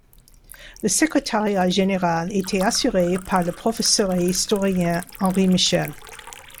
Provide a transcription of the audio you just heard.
Le secrétariat général était assuré par le professeur et historien Henri Michel.